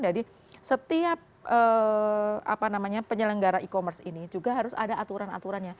jadi setiap penyelenggara e commerce ini juga harus ada kepercayaan